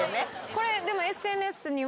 これでも。